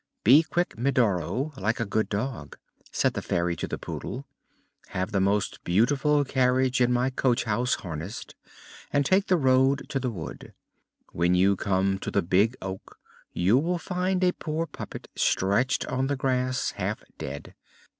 "Be quick, Medoro, like a good dog!" said the Fairy to the Poodle. "Have the most beautiful carriage in my coach house harnessed, and take the road to the wood. When you come to the Big Oak you will find a poor puppet stretched on the grass half dead.